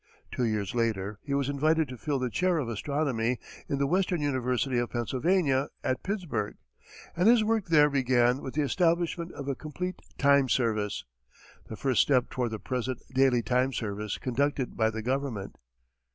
Two years later, he was invited to fill the chair of astronomy in the Western University of Pennsylvania at Pittsburgh, and his work there began with the establishment of a complete time service, the first step toward the present daily time service conducted by the government.